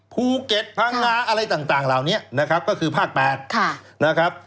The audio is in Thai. ภูเก็ตพระงาอะไรต่างเหล่านี้ก็คือภาค๘